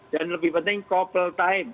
dan lebih penting couple time